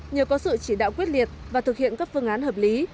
nhờ có sự chỉ đạo quyết liệt và thực hiện các phương án hợp lý